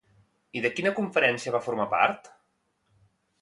I de quina conferència va formar part?